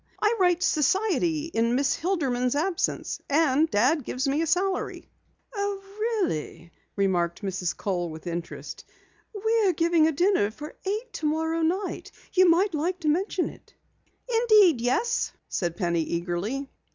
I write society in Miss Hilderman's absence and Dad gives me a salary." "Oh, really," remarked Mrs. Kohl with interest. "We are giving a dinner for eight tomorrow night. You might like to mention it." "Indeed, yes," said Penny eagerly.